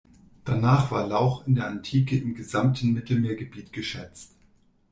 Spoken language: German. Danach war Lauch in der Antike im gesamten Mittelmeergebiet geschätzt.